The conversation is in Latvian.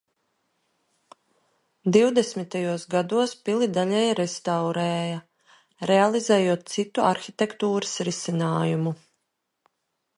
Divdesmitajos gados pili daļēji restaurēja, realizējot citu arhitektūras risinājumu.